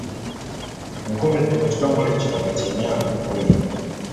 Nkoledde mu kitongole kino kati emyaka kkumi.